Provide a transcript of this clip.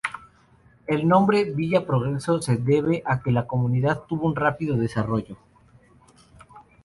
El nombre Villa Progreso se debe a que la comunidad tuvo un rápido desarrollo.